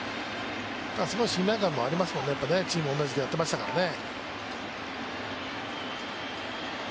すごい信頼感もありますもんね、チーム、同じでやっていましたからね。